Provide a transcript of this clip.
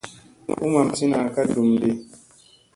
U mamsina ka ndum ɗi.